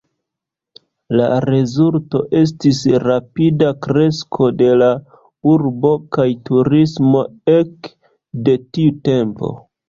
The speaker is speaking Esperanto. La rezulto estis rapida kresko de la urbo kaj turismo ek de tiu tempo.